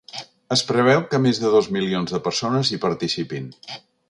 Es preveu que més de dos milions de persones hi participin.